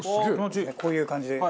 こういう感じで。